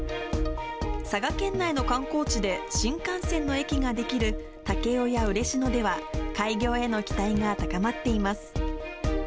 佐賀県内の観光地で新幹線の駅が出来る武雄や嬉野では、開業への期待が高まっています。